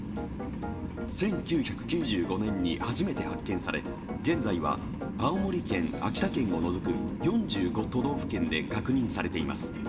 １９９５年に初めて発見され、現在は青森県秋田県を除く４５都道府県で確認されています。